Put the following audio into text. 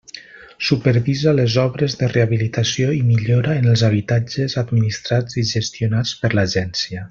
Supervisa les obres de rehabilitació i millora en els habitatges administrats i gestionats per l'Agència.